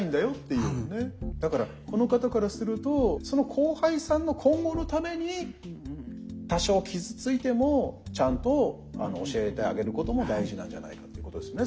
だからこの方からするとその後輩さんの今後のために多少傷ついてもちゃんと教えてあげることも大事なんじゃないかということですね。